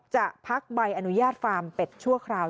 จะพักใบอนุญาตฟาร์มเป็ดชั่วคราว